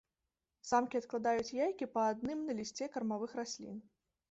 Самкі адкладаюць яйкі па адным на лісце кармавых раслін.